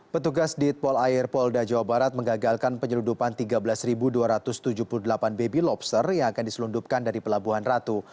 petugas ditpol air polda jawa barat mengagalkan penyeludupan tiga belas dua ratus tujuh puluh delapan baby lobster yang akan diselundupkan dari pelabuhan ratu